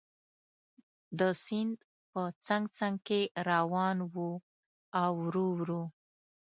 د سیند په څنګ څنګ کې روان و او ورو ورو.